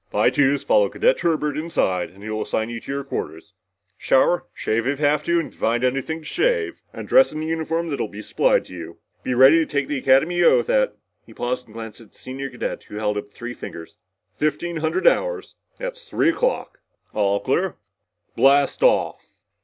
"By twos, follow Cadet Herbert inside and he'll assign you to your quarters. Shower, shave if you have to and can find anything to shave, and dress in the uniform that'll be supplied you. Be ready to take the Academy oath at" he paused and glanced at the senior cadet who held up three fingers "fifteen hundred hours. That's three o'clock. All clear? Blast off!"